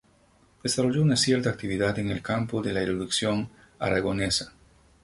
Desarrolló una cierta actividad en el campo de la erudición aragonesa.